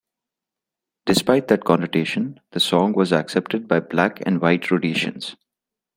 Despite that connotation, the song was accepted by black and white Rhodesians.